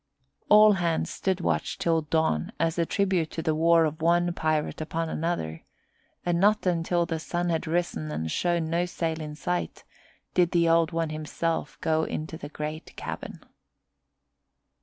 All hands stood watch till dawn as a tribute to the war of one pirate upon another, and not until the sun had risen and shown no sail in sight did the Old One himself go into the great cabin.